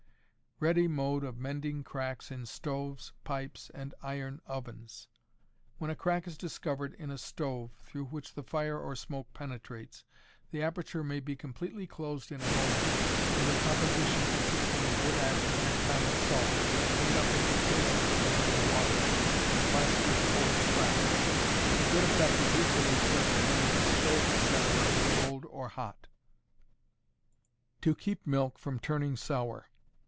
Ready Mode of Mending Cracks in Stoves, Pipes and Iron Ovens. When a crack is discovered in a stove, through which the fire or smoke penetrates, the aperture may be completely closed in a moment with a composition consisting of wood ashes and common salt made up into paste with a little water, and plastered over the crack. The good effect is equally certain, whether the stove, etc., be cold or hot. _To Keep Milk from Turning Sour.